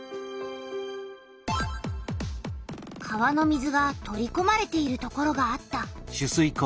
川の水が取りこまれているところがあった。